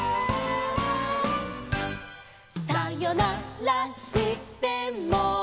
「さよならしても」